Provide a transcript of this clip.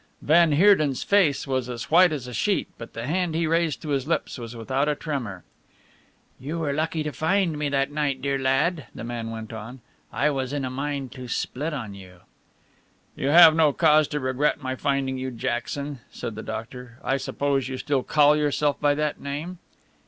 Van Heerden's face was as white as a sheet, but the hand he raised to his lips was without a tremor. "You were lucky to find me that night, dear lad," the man went on. "I was in a mind to split on you." "You have no cause to regret my finding you, Jackson," said the doctor. "I suppose you still call yourself by that name?"